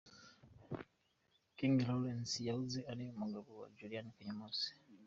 King Lawrence yahoze ari umugabo wa Juliana Kanyomozi.